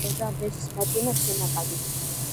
მდინარე ზამბეზის მარჯვენა შენაკადი.